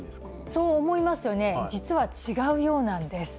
そう思いますよね、実は違うようなんです。